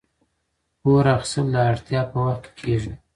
پور اخیستل د اړتیا په وخت کې کیږي.